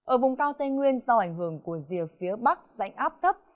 ở vùng cao tây nguyên do ảnh hưởng của rìa phía bắc dãnh áp thấp